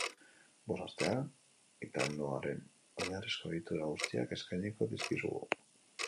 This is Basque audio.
Bost astean, hitanoaren oinarrizko egitura guztiak eskainiko dizkizugu.